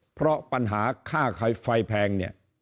เพราะปัญหาฆ่าไฟแพง